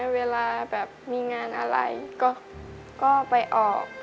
เวลาแบบมีงานอะไรก็ไปออก